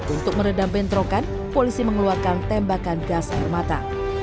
untuk meredam bentrokan polisi mengeluarkan tembakan gas air mata